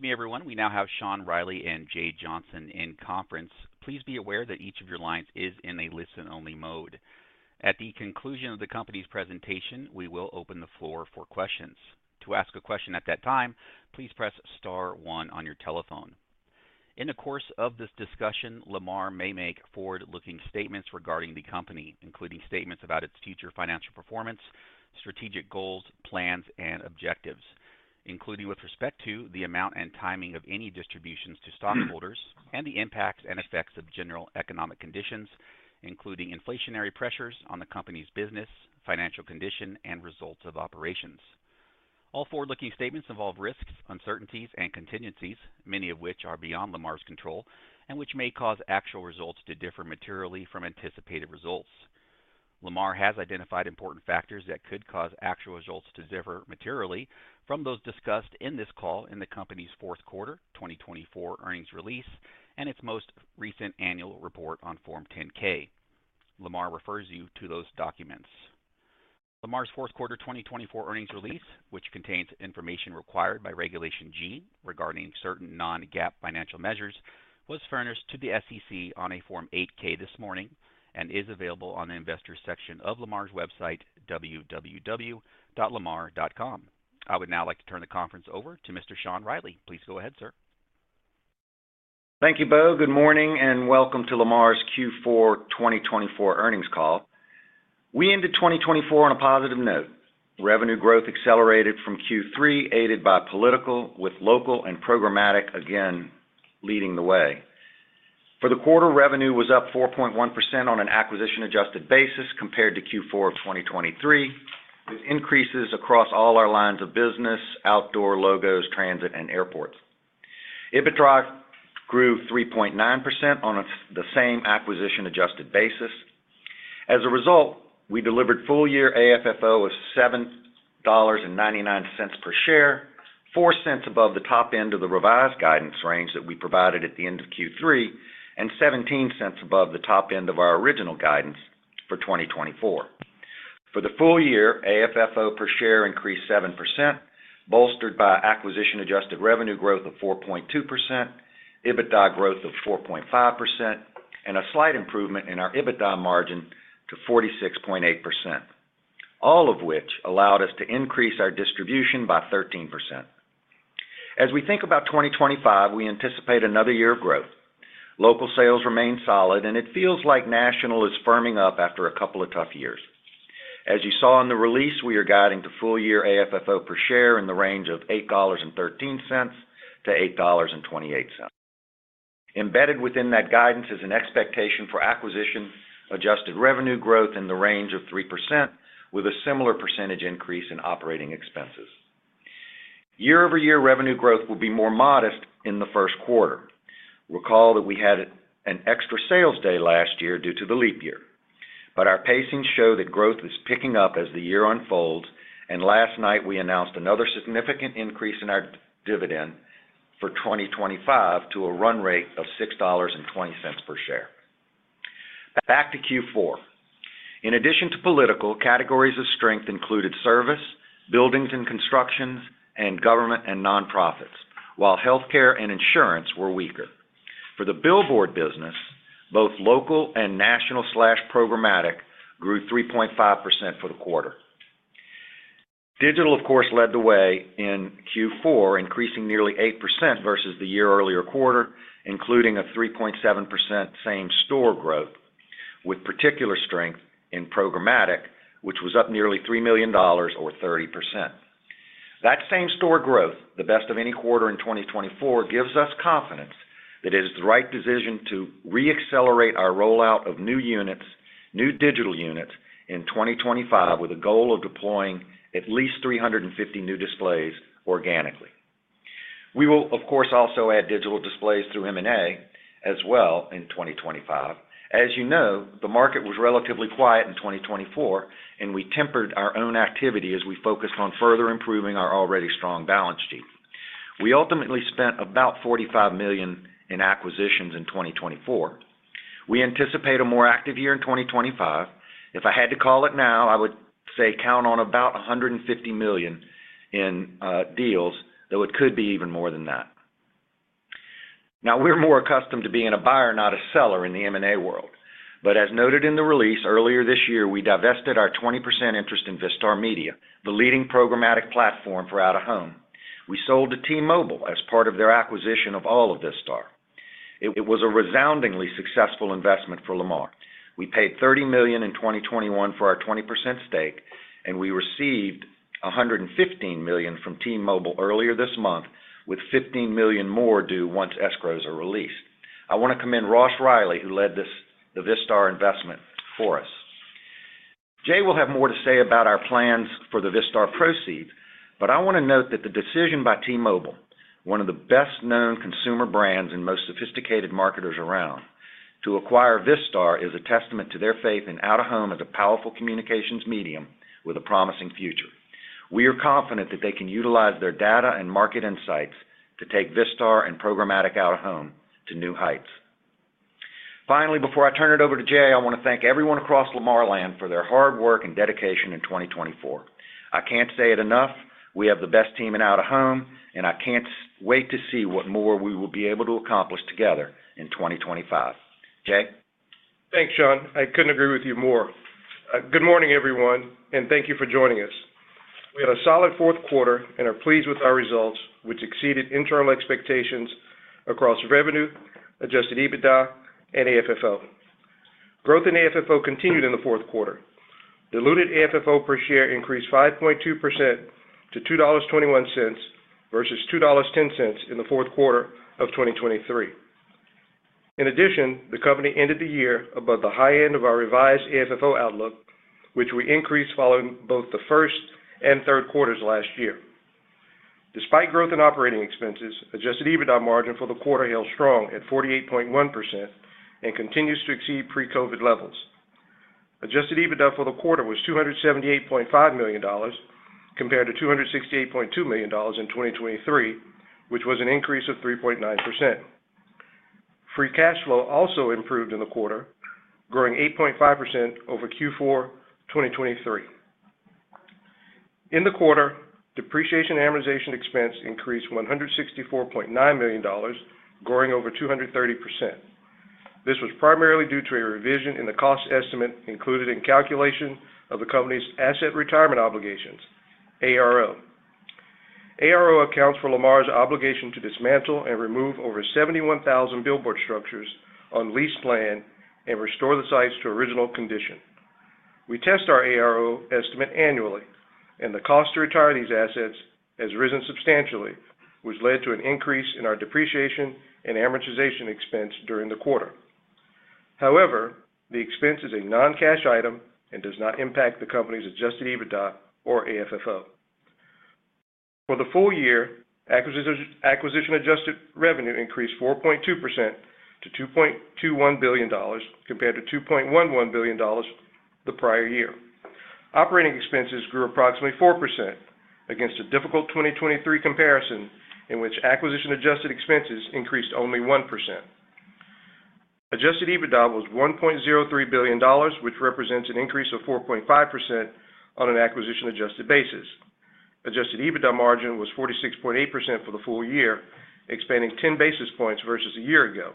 Excuse me, everyone. We now have Sean Reilly and Jay Johnson in conference. Please be aware that each of your lines is in a listen-only mode. At the conclusion of the company's presentation, we will open the floor for questions. To ask a question at that time, please press star one on your telephone. In the course of this discussion, Lamar may make forward-looking statements regarding the company, including statements about its future financial performance, strategic goals, plans, and objectives, including with respect to the amount and timing of any distributions to stockholders and the impacts and effects of general economic conditions, including inflationary pressures on the company's business, financial condition, and results of operations. All forward-looking statements involve risks, uncertainties, and contingencies, many of which are beyond Lamar's control and which may cause actual results to differ materially from anticipated results. Lamar has identified important factors that could cause actual results to differ materially from those discussed in this call in the company's 4th quarter 2024 earnings release and its most recent annual report on Form 10-K. Lamar refers you to those documents. Lamar's 4th quarter 2024 earnings release, which contains information required by Regulation G regarding certain non-GAAP financial measures, was furnished to the SEC on a Form 8-K this morning and is available on the investor section of Lamar's website, www.lamar.com. I would now like to turn the conference over to Mr. Sean Reilly. Please go ahead, sir. Thank you, Bo. Good morning and welcome to Lamar's Q4 2024 Earnings Call. We ended 2024 on a positive note. Revenue growth accelerated from Q3, aided by political, with local and programmatic again leading the way. For the quarter, revenue was up 4.1% on an acquisition-adjusted basis compared to Q4 of 2023, with increases across all our lines of business, Outdoor, logos, transit, and airports. EBITDA grew 3.9% on the same acquisition-adjusted basis. As a result, we delivered full-year AFFO of $7.99 per share, $0.04 above the top end of the revised guidance range that we provided at the end of Q3 and $0.17 above the top end of our original guidance for 2024. For the full year, AFFO per share increased 7%, bolstered by acquisition-adjusted revenue growth of 4.2%, EBITDA growth of 4.5%, and a slight improvement in our EBITDA margin to 46.8%, all of which allowed us to increase our distribution by 13%. As we think about 2025, we anticipate another year of growth. Local sales remain solid, and it feels like national is firming up after a couple of tough years. As you saw in the release, we are guiding to full-year AFFO per share in the range of $8.13-$8.28. Embedded within that guidance is an expectation for acquisition-adjusted revenue growth in the range of 3%, with a similar percentage increase in operating expenses. Year-over-year revenue growth will be more modest in the 1st quarter. Recall that we had an extra sales day last year due to the leap year, but our pacing shows that growth is picking up as the year unfolds, and last night we announced another significant increase in our dividend for 2025 to a run rate of $6.20 per share. Back to Q4. In addition to political, categories of strength included service, buildings and constructions, and government and nonprofits, while healthcare and insurance were weaker. For the billboard business, both local and national/programmatic grew 3.5% for the quarter. Digital, of course, led the way in Q4, increasing nearly 8% versus the year earlier quarter, including a 3.7% same-store growth, with particular strength in programmatic, which was up nearly $3 million, or 30%. That same-store growth, the best of any quarter in 2024, gives us confidence that it is the right decision to re-accelerate our rollout of new units, new digital units in 2025, with a goal of deploying at least 350 new displays organically. We will, of course, also add digital displays through M&A as well in 2025. As you know, the market was relatively quiet in 2024, and we tempered our own activity as we focused on further improving our already strong balance sheet. We ultimately spent about $45 million in acquisitions in 2024. We anticipate a more active year in 2025. If I had to call it now, I would say count on about $150 million in deals, though it could be even more than that. Now, we're more accustomed to being a buyer, not a seller in the M&A world, but as noted in the release earlier this year, we divested our 20% interest in Vistar Media, the leading programmatic platform for out-of-home. We sold to T-Mobile as part of their acquisition of all of Vistar. It was a resoundingly successful investment for Lamar. We paid $30 million in 2021 for our 20% stake, and we received $115 million from T-Mobile earlier this month, with $15 million more due once escrows are released. I want to commend Ross Reilly, who led the Vistar investment for us. Jay will have more to say about our plans for the Vistar proceeds, but I want to note that the decision by T-Mobile, one of the best-known consumer brands and most sophisticated marketers around, to acquire Vistar is a testament to their faith in out-of-home as a powerful communications medium with a promising future. We are confident that they can utilize their data and market insights to take Vistar and programmatic out-of-home to new heights. Finally, before I turn it over to Jay, I want to thank everyone across Lamar Land for their hard work and dedication in 2024. I can't say it enough. We have the best team in out-of-home, and I can't wait to see what more we will be able to accomplish together in 2025. Jay? Thanks, Sean. I couldn't agree with you more. Good morning, everyone, and thank you for joining us. We had a solid 4th quarter and are pleased with our results, which exceeded internal expectations across revenue, adjusted EBITDA, and AFFO. Growth in AFFO continued in the 4th quarter. Diluted AFFO per share increased 5.2% to $2.21 versus $2.10 in the 4th quarter of 2023. In addition, the company ended the year above the high end of our revised AFFO outlook, which we increased following both the 1st quarter and 3rd quarter last year. Despite growth in operating expenses, adjusted EBITDA margin for the quarter held strong at 48.1% and continues to exceed pre-COVID levels. Adjusted EBITDA for the quarter was $278.5 million compared to $268.2 million in 2023, which was an increase of 3.9%. Free cash flow also improved in the quarter, growing 8.5% over Q4 2023. In the quarter, depreciation and amortization expense increased $164.9 million, growing over 230%. This was primarily due to a revision in the cost estimate included in calculation of the company's asset retirement obligations, ARO. ARO accounts for Lamar's obligation to dismantle and remove over 71,000 billboard structures on leased land and restore the sites to original condition. We test our ARO estimate annually, and the cost to retire these assets has risen substantially, which led to an increase in our depreciation and amortization expense during the quarter. However, the expense is a non-cash item and does not impact the company's adjusted EBITDA or AFFO. For the full year, acquisition-adjusted revenue increased 4.2% to $2.21 billion compared to $2.11 billion the prior year. Operating expenses grew approximately 4% against a difficult 2023 comparison in which acquisition-adjusted expenses increased only 1%. Adjusted EBITDA was $1.03 billion, which represents an increase of 4.5% on an acquisition-adjusted basis. Adjusted EBITDA margin was 46.8% for the full year, expanding 10 basis points versus a year ago.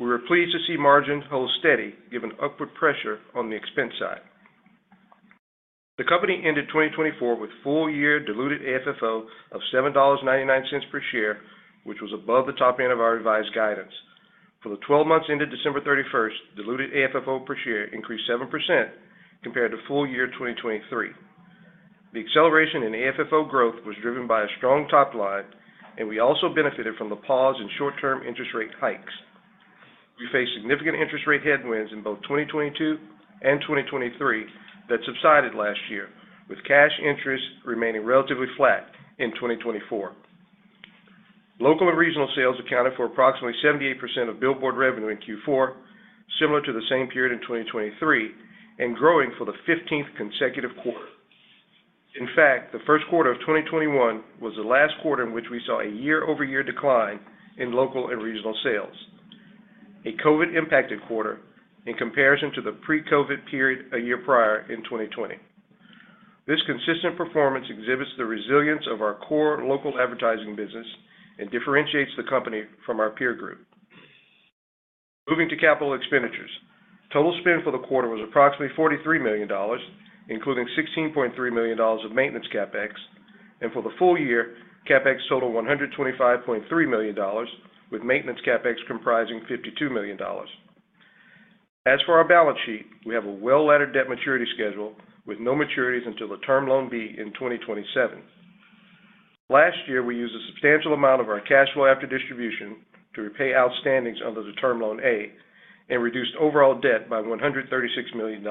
We were pleased to see margin hold steady given upward pressure on the expense side. The company ended 2024 with full-year diluted AFFO of $7.99 per share, which was above the top end of our revised guidance. For the 12 months ended December 31st, diluted AFFO per share increased 7% compared to full year 2023. The acceleration in AFFO growth was driven by a strong top line, and we also benefited from the pause in short-term interest rate hikes. We faced significant interest rate headwinds in both 2022 and 2023 that subsided last year, with cash interest remaining relatively flat in 2024. Local and regional sales accounted for approximately 78% of billboard revenue in Q4, similar to the same period in 2023, and growing for the 15th consecutive quarter. In fact, the 1st quarter of 2021 was the last quarter in which we saw a year-over-year decline in local and regional sales, a COVID-impacted quarter in comparison to the pre-COVID period a year prior in 2020. This consistent performance exhibits the resilience of our core local advertising business and differentiates the company from our peer group. Moving to capital expenditures, total spend for the quarter was approximately $43 million, including $16.3 million of maintenance CapEx, and for the full year, CapEx totaled $125.3 million, with maintenance CapEx comprising $52 million. As for our balance sheet, we have a well-laddered debt maturity schedule with no maturities until the Term Loan B in 2027. Last year, we used a substantial amount of our cash flow after distribution to repay outstandings under the Term Loan A and reduced overall debt by $136 million.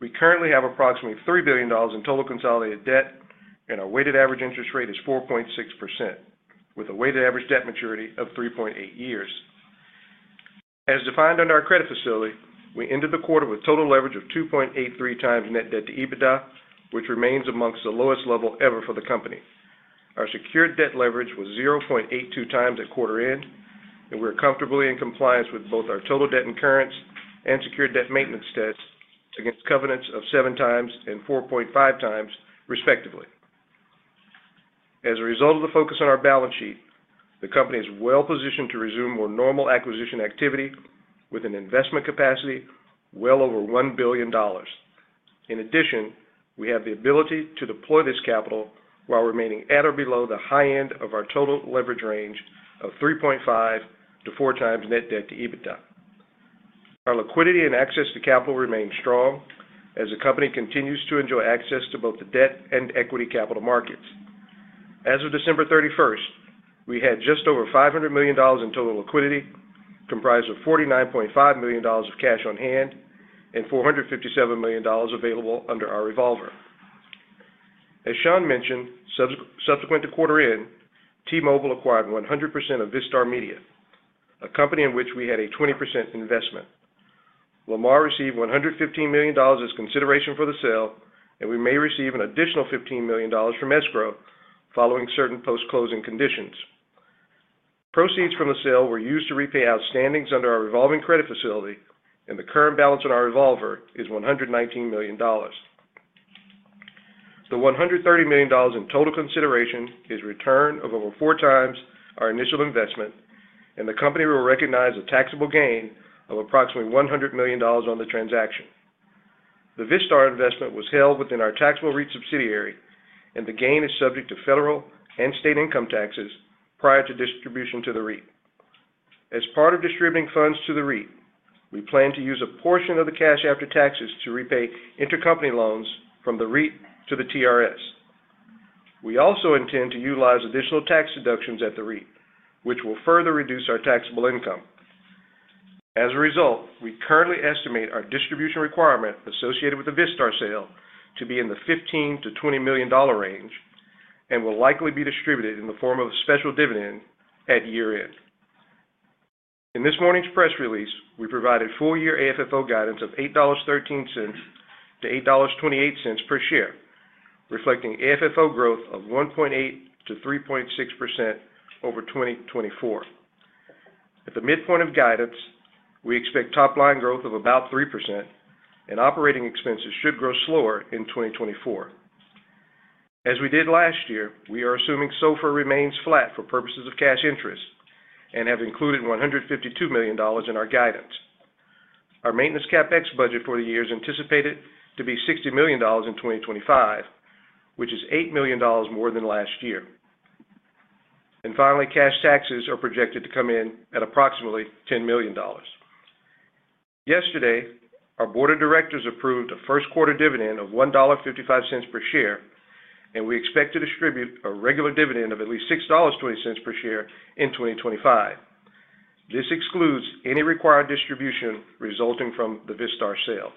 We currently have approximately $3 billion in total consolidated debt, and our weighted average interest rate is 4.6%, with a weighted average debt maturity of 3.8 years. As defined under our credit facility, we ended the quarter with total leverage of 2.83x net debt to EBITDA, which remains among the lowest level ever for the company. Our secured debt leverage was 0.82x at quarter end, and we are comfortably in compliance with both our total debt incurrence and secured debt maintenance tests against covenants of 7x and 4.5x, respectively. As a result of the focus on our balance sheet, the company is well-positioned to resume more normal acquisition activity with an investment capacity well over $1 billion. In addition, we have the ability to deploy this capital while remaining at or below the high end of our total leverage range of 3.5x-4x net debt to EBITDA. Our liquidity and access to capital remain strong as the company continues to enjoy access to both the debt and equity capital markets. As of December 31st, we had just over $500 million in total liquidity, comprised of $49.5 million of cash on hand and $457 million available under our revolver. As Sean mentioned, subsequent to quarter end, T-Mobile acquired 100% of Vistar Media, a company in which we had a 20% investment. Lamar received $115 million as consideration for the sale, and we may receive an additional $15 million from escrow following certain post-closing conditions. Proceeds from the sale were used to repay outstandings under our revolving credit facility, and the current balance on our revolver is $119 million. The $130 million in total consideration is return of over 4x our initial investment, and the company will recognize a taxable gain of approximately $100 million on the transaction. The Vistar investment was held within our taxable REIT subsidiary, and the gain is subject to federal and state income taxes prior to distribution to the REIT. As part of distributing funds to the REIT, we plan to use a portion of the cash after taxes to repay intercompany loans from the REIT to the TRS. We also intend to utilize additional tax deductions at the REIT, which will further reduce our taxable income. As a result, we currently estimate our distribution requirement associated with the Vistar sale to be in the $15 million-$20 million range and will likely be distributed in the form of a special dividend at year-end. In this morning's press release, we provided full-year AFFO guidance of $8.13-$8.28 per share, reflecting AFFO growth of 1.8%-3.6% over 2024. At the midpoint of guidance, we expect top-line growth of about 3%, and operating expenses should grow slower in 2024. As we did last year, we are assuming SOFR remains flat for purposes of cash interest and have included $152 million in our guidance. Our maintenance CapEx budget for the year is anticipated to be $60 million in 2025, which is $8 million more than last year, and finally, cash taxes are projected to come in at approximately $10 million. Yesterday, our board of directors approved a 1st quarter dividend of $1.55 per share, and we expect to distribute a regular dividend of at least $6.20 per share in 2025. This excludes any required distribution resulting from the Vistar sale.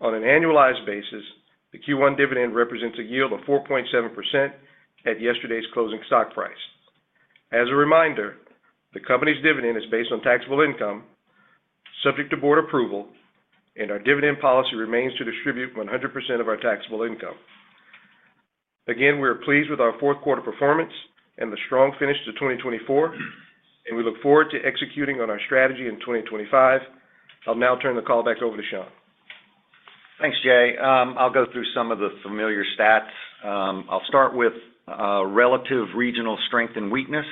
On an annualized basis, the Q1 dividend represents a yield of 4.7% at yesterday's closing stock price. As a reminder, the company's dividend is based on taxable income, subject to board approval, and our dividend policy remains to distribute 100% of our taxable income. Again, we are pleased with our 4th quarter performance and the strong finish to 2024, and we look forward to executing on our strategy in 2025. I'll now turn the call back over to Sean. Thanks, Jay. I'll go through some of the familiar stats. I'll start with relative regional strength and weakness.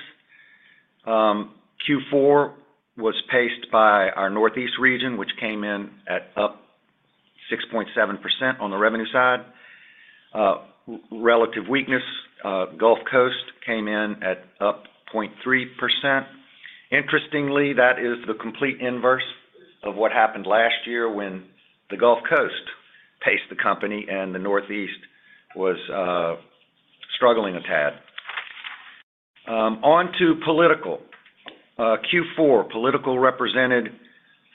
Q4 was paced by our Northeast region, which came in at up 6.7% on the revenue side. Relative weakness: Gulf Coast came in at up 0.3%. Interestingly, that is the complete inverse of what happened last year when the Gulf Coast paced the company and the Northeast was struggling a tad. On to political. Q4 political represented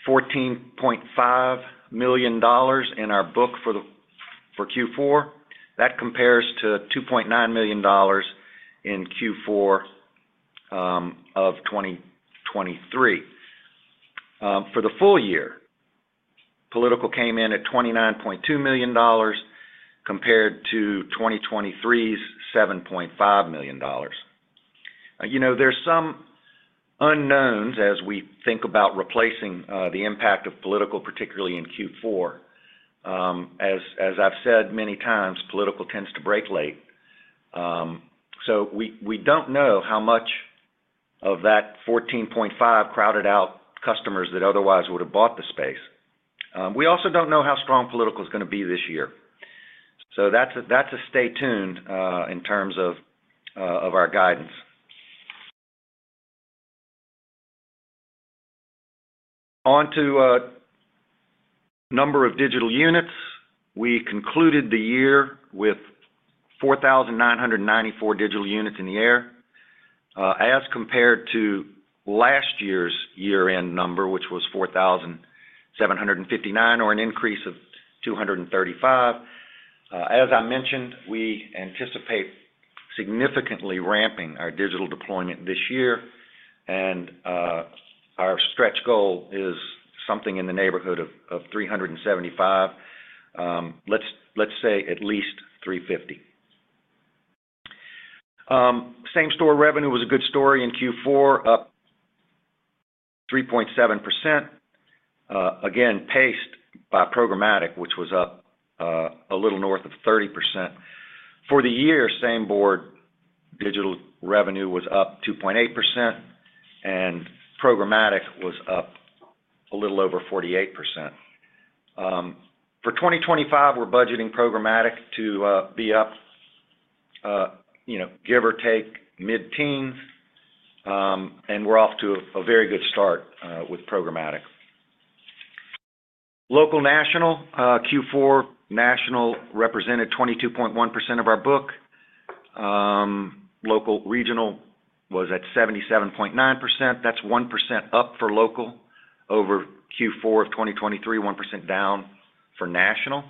$14.5 million in our book for Q4. That compares to $2.9 million in Q4 of 2023. For the full year, political came in at $29.2 million compared to 2023's $7.5 million. There's some unknowns as we think about replacing the impact of political, particularly in Q4. As I've said many times, political tends to break late. So we don't know how much of that 14.5 crowded out customers that otherwise would have bought the space. We also don't know how strong political is going to be this year. So that's a stay tuned in terms of our guidance. On to number of digital units. We concluded the year with 4,994 digital units in the air as compared to last year's year-end number, which was 4,759, or an increase of 235. As I mentioned, we anticipate significantly ramping our digital deployment this year, and our stretch goal is something in the neighborhood of 375. Let's say at least 350. Same-store revenue was a good story in Q4, up 3.7%, again paced by programmatic, which was up a little north of 30%. For the year, same-store digital revenue was up 2.8%, and programmatic was up a little over 48%. For 2025, we're budgeting programmatic to be up, give or take mid-teens, and we're off to a very good start with programmatic. Local national, Q4 national represented 22.1% of our book. Local regional was at 77.9%. That's 1% up for local over Q4 of 2023, 1% down for national.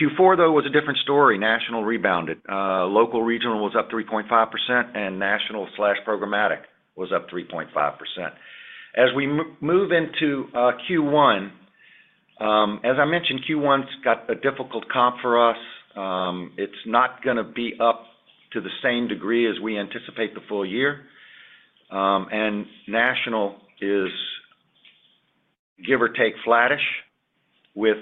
Q4, though, was a different story. National rebounded. Local regional was up 3.5%, and national/programmatic was up 3.5%. As we move into Q1, as I mentioned, Q1 got a difficult comp for us. It's not going to be up to the same degree as we anticipate the full year. And national is, give or take, flattish with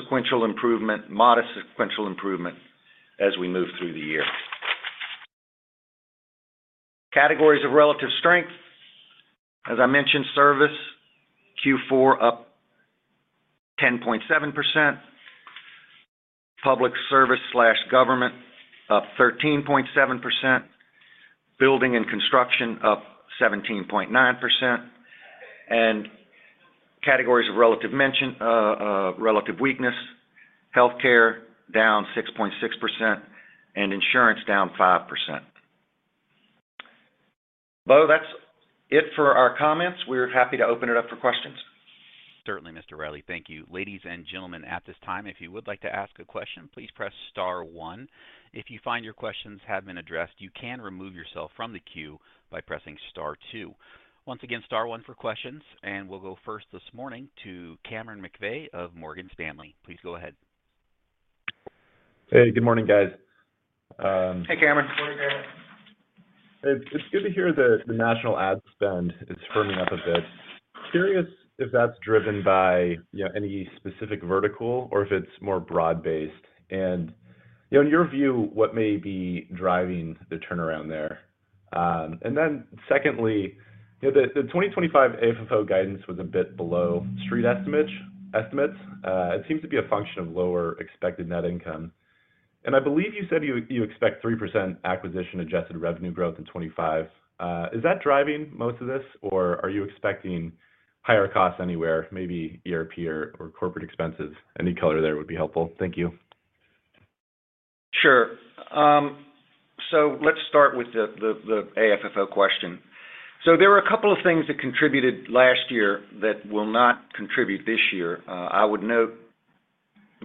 sequential improvement, modest sequential improvement as we move through the year. Categories of relative strength, as I mentioned, service Q4 up 10.7%, public service/government up 13.7%, building and construction up 17.9%. And categories of relative weakness, healthcare down 6.6%, and insurance down 5%. That's it for our comments. We're happy to open it up for questions. Certainly, Mr. Reilly, thank you. Ladies and gentlemen, at this time, if you would like to ask a question, please press star one. If you find your questions have been addressed, you can remove yourself from the queue by pressing star two. Once again, star one for questions, and we'll go first this morning to Cameron McVeigh of Morgan Stanley. Please go ahead. Hey, good morning, guys. Hey, Cameron. Hey, Cameron. It's good to hear the national ad spend is firming up a bit. Curious if that's driven by any specific vertical or if it's more broad-based. And in your view, what may be driving the turnaround there? And then secondly, the 2025 AFFO guidance was a bit below street estimates. It seems to be a function of lower expected net income. And I believe you said you expect 3% acquisition-adjusted revenue growth in 2025. Is that driving most of this, or are you expecting higher costs anywhere, maybe ERP or corporate expenses? Any color there would be helpful. Thank you. Sure. So let's start with the AFFO question. So there were a couple of things that contributed last year that will not contribute this year. I would note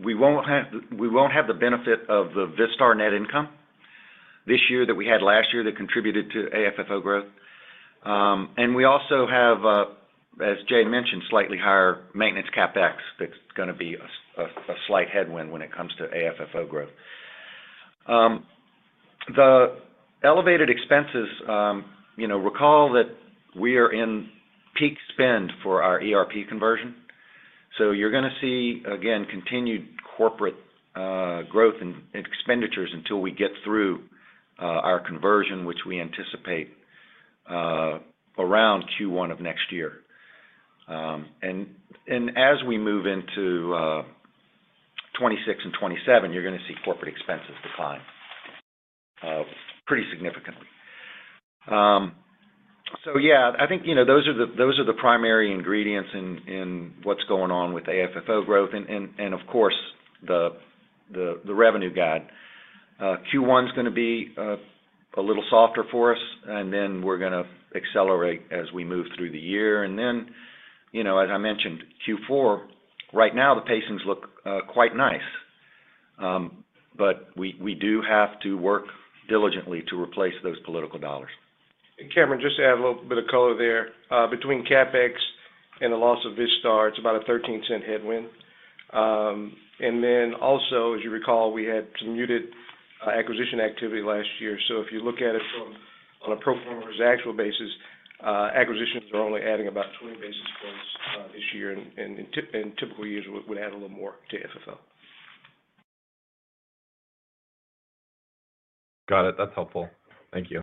we won't have the benefit of the Vistar net income this year that we had last year that contributed to AFFO growth. And we also have, as Jay mentioned, slightly higher maintenance CapEx that's going to be a slight headwind when it comes to AFFO growth. The elevated expenses, recall that we are in peak spend for our ERP conversion. So you're going to see, again, continued corporate growth and expenditures until we get through our conversion, which we anticipate around Q1 of next year. And as we move into 2026 and 2027, you're going to see corporate expenses decline pretty significantly. So yeah, I think those are the primary ingredients in what's going on with AFFO growth. And of course, the revenue guide, Q1 is going to be a little softer for us, and then we're going to accelerate as we move through the year. And then, as I mentioned, Q4, right now, the pacing look quite nice, but we do have to work diligently to replace those political dollars. Cameron, just to add a little bit of color there, between CapEx and the loss of Vistar, it's about a $0.13 headwind. And then also, as you recall, we had some muted acquisition activity last year. So if you look at it on a pro forma or same-store basis, acquisitions are only adding about 20 basis points this year, and typical years would add a little more to AFFO. Got it. That's helpful. Thank you.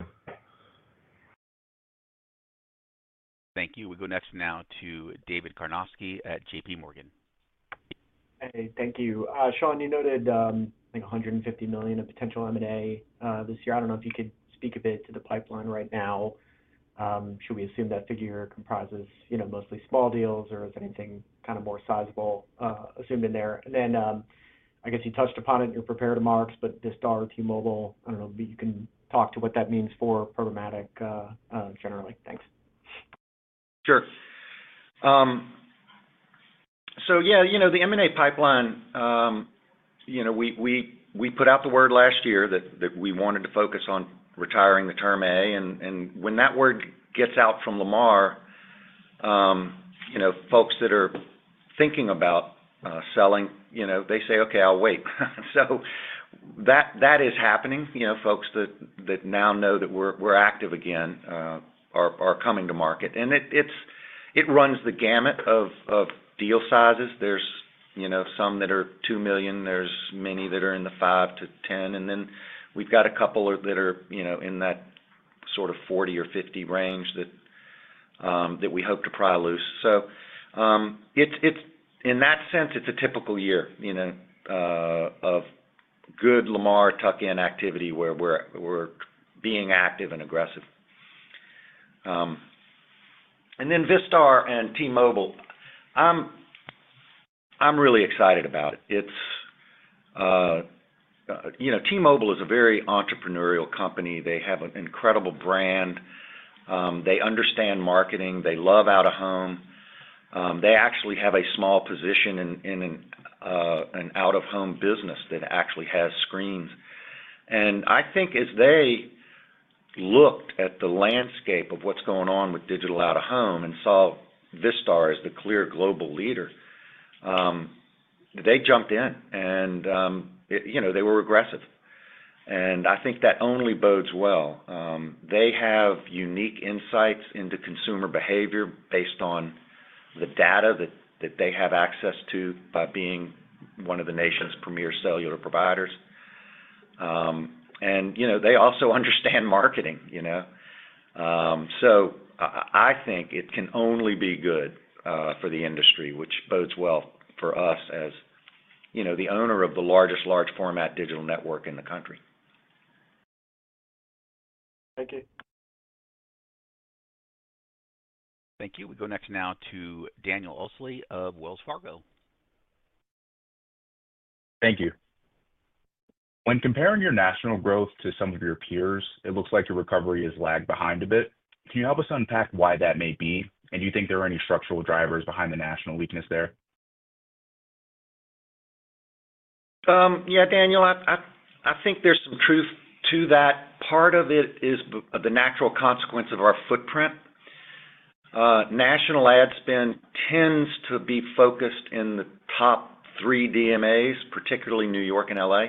Thank you. We go next now to David Karnovsky at J.P. Morgan. Hey, thank you. Sean, you noted, I think, $150 million in potential M&A this year. I don't know if you could speak a bit to the pipeline right now. Should we assume that figure comprises mostly small deals, or is anything kind of more sizable assumed in there? And then I guess you touched upon it in your prepared remarks, but Vistar, T-Mobile, I don't know if you can talk to what that means for programmatic generally. Thanks. Sure. So yeah, the M&A pipeline, we put out the word last year that we wanted to focus on retiring the term A. And when that word gets out from Lamar, folks that are thinking about selling, they say, "Okay, I'll wait." So that is happening. Folks that now know that we're active again are coming to market. And it runs the gamut of deal sizes. There's some that are $2 million. There's many that are in the $5 million-$10 million. And then we've got a couple that are in that sort of $40 million or $50 million range that we hope to pry loose. So in that sense, it's a typical year of good Lamar tuck-in activity where we're being active and aggressive. And then Vistar and T-Mobile, I'm really excited about it. T-Mobile is a very entrepreneurial company. They have an incredible brand. They understand marketing. They love out-of-home. They actually have a small position in an out-of-home business that actually has screens. And I think as they looked at the landscape of what's going on with digital out-of-home and saw Vistar as the clear global leader, they jumped in, and they were aggressive. And I think that only bodes well. They have unique insights into consumer behavior based on the data that they have access to by being one of the nation's premier cellular providers. And they also understand marketing. So I think it can only be good for the industry, which bodes well for us as the owner of the largest large-format digital network in the country. Thank you. Thank you. We go next now to Daniel Ousley of Wells Fargo. Thank you. When comparing your national growth to some of your peers, it looks like your recovery has lagged behind a bit. Can you help us unpack why that may be, and do you think there are any structural drivers behind the national weakness there? Yeah, Daniel, I think there's some truth to that. Part of it is the natural consequence of our footprint. National ad spend tends to be focused in the top three DMAs, particularly New York and L.A.,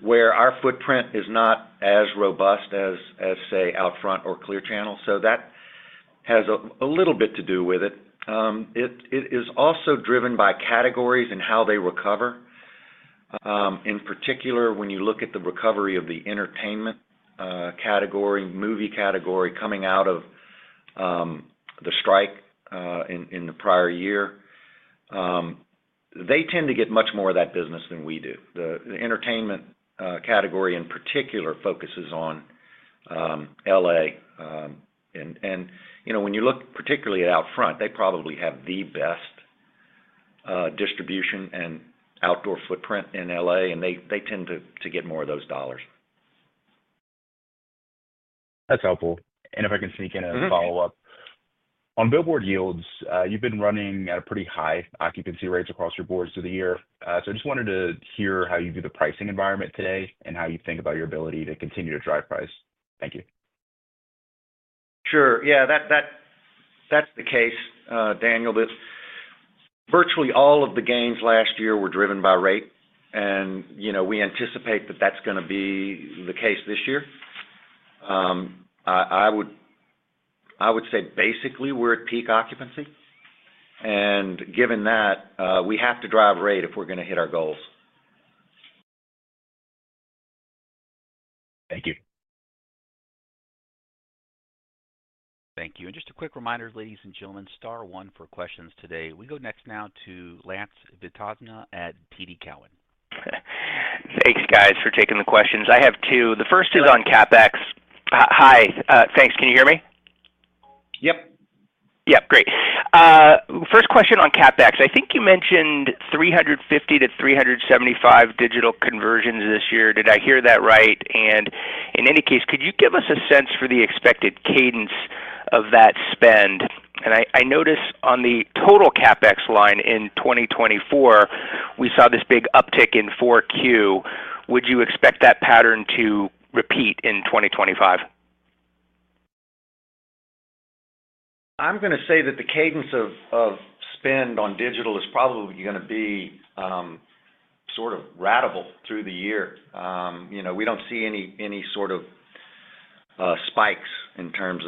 where our footprint is not as robust as, say, Outfront or Clear Channel. So that has a little bit to do with it. It is also driven by categories and how they recover. In particular, when you look at the recovery of the entertainment category, movie category coming out of the strike in the prior year, they tend to get much more of that business than we do. The entertainment category in particular focuses on L.A. And when you look particularly at Outfront, they probably have the best distribution and outdoor footprint in L.A., and they tend to get more of those dollars. That's helpful. And if I can sneak in a follow-up. On billboard yields, you've been running at a pretty high occupancy rate across your boards through the year. So I just wanted to hear how you view the pricing environment today and how you think about your ability to continue to drive price. Thank you. Sure. Yeah, that's the case, Daniel. Virtually all of the gains last year were driven by rate, and we anticipate that that's going to be the case this year. I would say basically we're at peak occupancy. And given that, we have to drive rate if we're going to hit our goals. Thank you. Thank you. And just a quick reminder, ladies and gentlemen, star one for questions today. We go next now to Lance Vitanza at TD Cowen. Thanks, guys, for taking the questions. I have two. The first is on CapEx. Hi. Thanks. Can you hear me? Yep. Yep. Great. First question on CapEx. I think you mentioned 350-375 digital conversions this year. Did I hear that right? In any case, could you give us a sense for the expected cadence of that spend? I noticed on the total CapEx line in 2024, we saw this big uptick in 4Q. Would you expect that pattern to repeat in 2025? I'm going to say that the cadence of spend on digital is probably going to be sort of ratable through the year. We don't see any sort of spikes in terms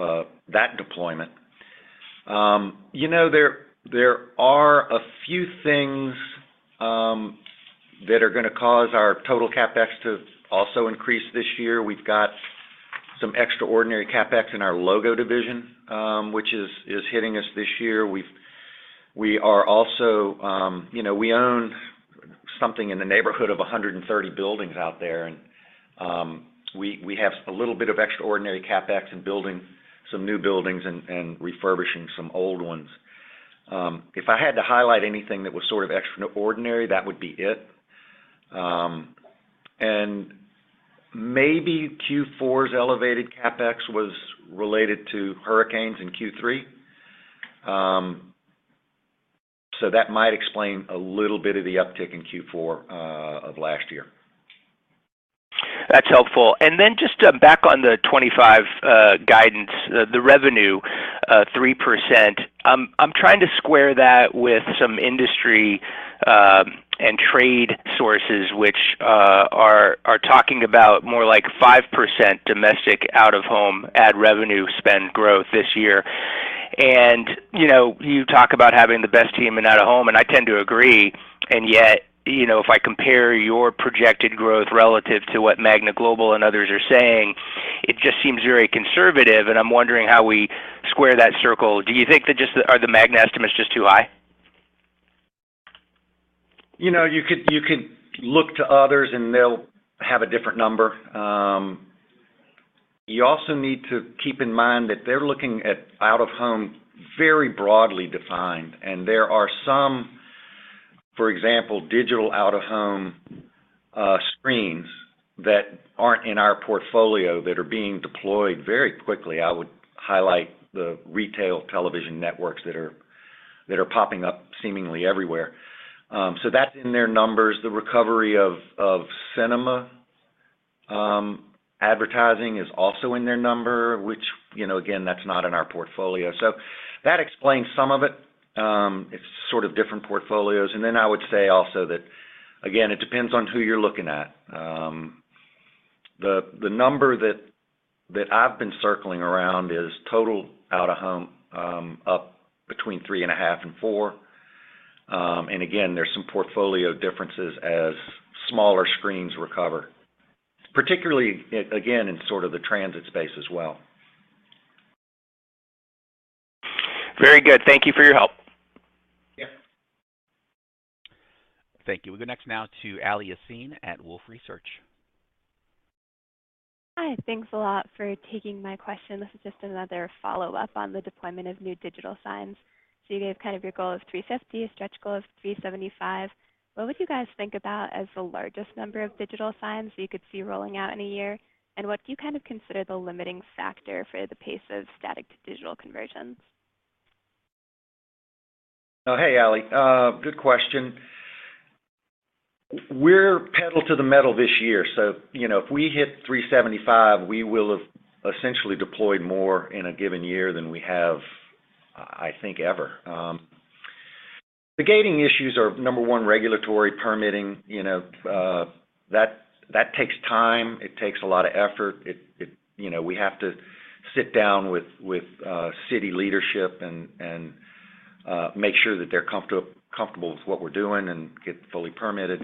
of that deployment. There are a few things that are going to cause our total CapEx to also increase this year. We've got some extraordinary CapEx in our logo division, which is hitting us this year. We are also. We own something in the neighborhood of 130 buildings out there, and we have a little bit of extraordinary CapEx in building some new buildings and refurbishing some old ones. If I had to highlight anything that was sort of extraordinary, that would be it. And maybe Q4's elevated CapEx was related to hurricanes in Q3. So that might explain a little bit of the uptick in Q4 of last year. That's helpful. And then just back on the 2025 guidance, the revenue, 3%, I'm trying to square that with some industry and trade sources, which are talking about more like 5% domestic out-of-home ad revenue spend growth this year. And you talk about having the best team in out-of-home, and I tend to agree. And yet, if I compare your projected growth relative to what Magna Global and others are saying, it just seems very conservative. And I'm wondering how we square that circle. Do you think that just are the Magna estimates just too high? You could look to others, and they'll have a different number. You also need to keep in mind that they're looking at out-of-home very broadly defined, and there are some, for example, digital out-of-home screens that aren't in our portfolio that are being deployed very quickly. I would highlight the retail television networks that are popping up seemingly everywhere, so that's in their numbers. The recovery of cinema advertising is also in their number, which, again, that's not in our portfolio, so that explains some of it. It's sort of different portfolios, and then I would say also that, again, it depends on who you're looking at. The number that I've been circling around is total out-of-home up between 3.5 and 4, and again, there's some portfolio differences as smaller screens recover, particularly, again, in sort of the transit space as well. Very good. Thank you for your help. Yeah. Thank you. We go next now to Ally Yaseen at Wolfe Research. Hi. Thanks a lot for taking my question. This is just another follow-up on the deployment of new digital signs. So you gave kind of your goal of 350, stretch goal of 375. What would you guys think about as the largest number of digital signs that you could see rolling out in a year? And what do you kind of consider the limiting factor for the pace of static to digital conversions? Hey, Ally. Good question. We're pedal to the metal this year. So if we hit 375, we will have essentially deployed more in a given year than we have, I think, ever. The gating issues are, number one, regulatory, permitting. That takes time. It takes a lot of effort. We have to sit down with city leadership and make sure that they're comfortable with what we're doing and get fully permitted,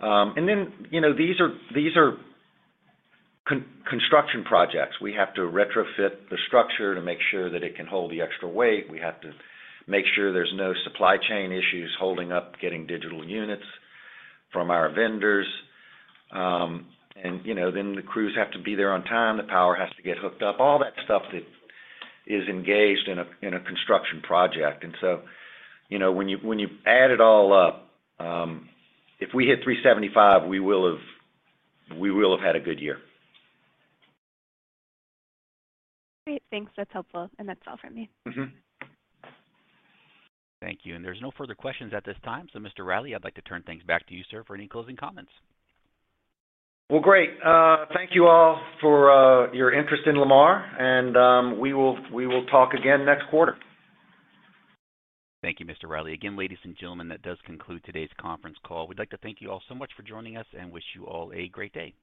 and then these are construction projects. We have to retrofit the structure to make sure that it can hold the extra weight. We have to make sure there's no supply chain issues holding up getting digital units from our vendors, and then the crews have to be there on time. The power has to get hooked up, all that stuff that is engaged in a construction project. And so when you add it all up, if we hit 375, we will have had a good year. Great. Thanks. That's helpful, and that's all for me. Thank you. And there's no further questions at this time. So Mr. Reilly, I'd like to turn things back to you, sir, for any closing comments. Great. Thank you all for your interest in Lamar, and we will talk again next quarter. Thank you, Mr. Reilly. Again, ladies and gentlemen, that does conclude today's conference call. We'd like to thank you all so much for joining us and wish you all a great day. Goodbye.